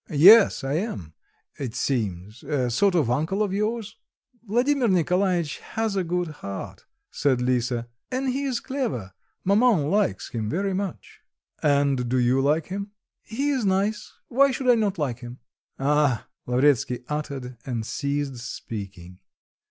"Yes. I am, it seems, a sort of uncle of yours?" "Vladimir Nikolaitch has a good heart," said Lisa, "and he is clever; maman likes him very much." "And do you like him?" "He is nice; why should I not like him?" "Ah!" Lavretsky uttered and ceased speaking.